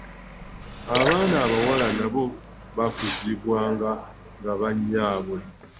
Abaana abawala nabo baakuzibwanga ne bannyaabwe.